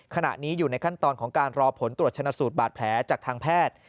ขณะนี้อยู่ในขั้นตอนของการรอผลตรวจชนะสูตรบาดแผลจากทางแพทย์